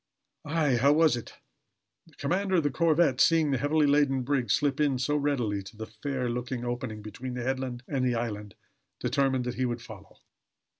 Aye, how was it? The commander of the corvette, seeing the heavily laden brig slip in so readily to the fair looking opening, between the headland and the island, determined that he would follow.